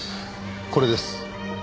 これです？